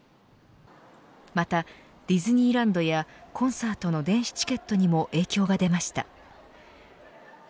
またディズニーランドやコンサートの電子チケットにも影響が出ました。